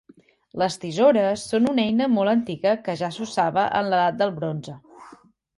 Les tisores són una eina molt antiga que ja s'usava en l'edat del bronze.